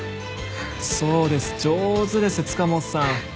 そうです上手です塚本さん。